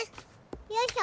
よいしょ！